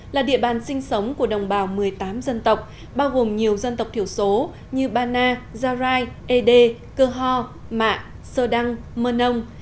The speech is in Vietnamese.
là địa bàn sinh sống của đồng bào một mươi tám dân tộc bao gồm nhiều dân tộc thiểu số như bana gia lai ede cơ ho mạ sơ đăng mơ nông